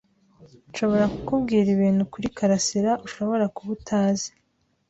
Nshobora kukubwira ibintu kuri karasira ushobora kuba utazi.